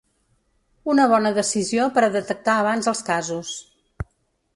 Una bona decisió per a detectar abans els casos.